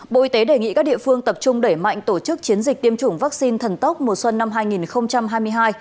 bộ y tế đề nghị các địa phương tập trung đẩy mạnh tổ chức chiến dịch tiêm chủng vaccine thần tốc mùa xuân năm hai nghìn hai mươi hai